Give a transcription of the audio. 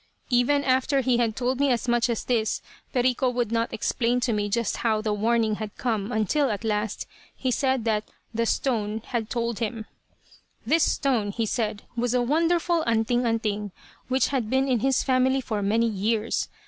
"Even after he had told me as much as this, Perico would not explain to me just how the 'warning' had come, until, at last, he said that 'the stone' had told him. "This stone, he said, was a wonderful 'anting anting' which had been in his family for many years.